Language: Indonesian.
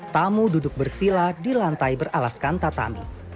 tamu duduk bersila di lantai beralaskan tatami